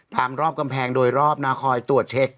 รอบกำแพงโดยรอบนะคอยตรวจเช็ค